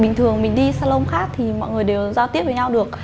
bình thường mình đi salon khác thì mọi người đều giao tiếp với nhau được